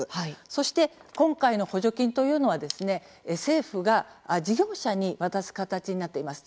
そして、今回の補助金というのは政府が事業者に渡す形になっています。